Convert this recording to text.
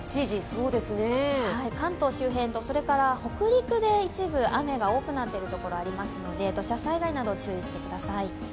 関東周辺と、それから北陸で一部雨が多くなっているところがありますので土砂災害など注意してください。